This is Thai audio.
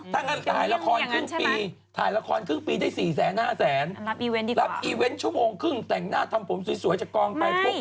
ถ้างั้นถ่ายละครครึ่งปีได้๔แสน๕แสนรับอีเวนต์ชั่วโมงครึ่งแต่งหน้าทำผมสวยจะกองไป